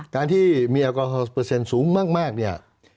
การที่มีแอลกอฮอลเปอร์เซ็นต์สูงมากเนี่ย